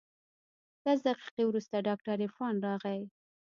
لس دقيقې وروسته ډاکتر عرفان راغى.